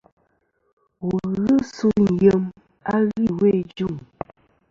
Wù ghɨ suyn yem a ghɨ iwo i juŋi.